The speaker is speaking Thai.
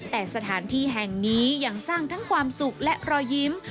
แต่สถานที่แห่งนี้ยังสร้างทั้งความสุขและรอยยิ้ม